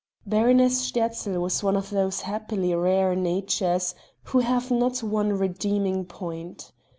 Baroness Sterzl was one of those happily rare natures who have not one redeeming point.